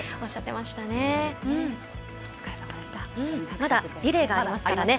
まだリレーがありますからね。